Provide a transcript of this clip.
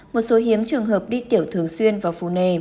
một số hiếm trường hợp đi tiểu thường xuyên và phù nề